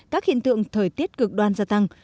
các hiện tượng thời tiết cực đoan gia tăng